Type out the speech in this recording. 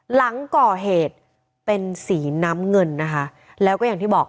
หลังก่อเหตุเป็นสีน้ำเงินนะคะแล้วก็อย่างที่บอก